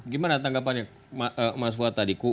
gimana tanggapannya mas fuad tadi